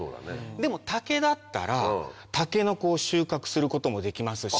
でも竹だったらタケノコを収穫することもできますし。